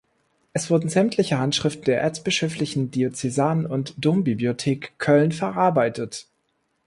Es wurden sämtliche Handschriften der Erzbischöflichen Diözesan- und Dombibliothek Köln verarbeitet.